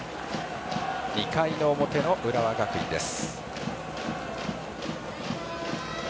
２回の表の浦和学院です。